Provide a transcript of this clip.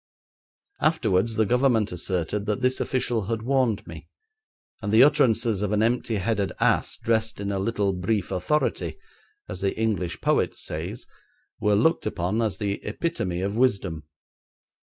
Afterwards the Government asserted that this official had warned me, and the utterances of an empty headed ass dressed in a little brief authority, as the English poet says, were looked upon as the epitome of wisdom.